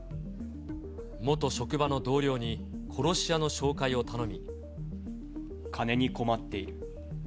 元職場の同僚に殺し屋の紹介金に困っている。